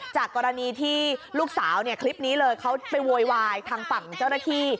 จากกรณีที่ลูกสาวเนี่ยคลิปนี้เลยเขาไปโวยวายทางฝั่งเจ้าหน้าที่